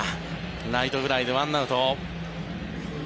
ライトフライで１アウト。